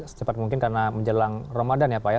secepat mungkin karena menjelang ramadan ya pak ya